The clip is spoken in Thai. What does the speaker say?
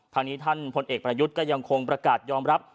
ทางนี้ท่านพลเอกประยุทธ์ก็ยังคงประกาศยอมรับ